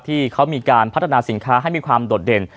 ที่เขามีการพัฒนาสินค้าให้มีความโดดเด่น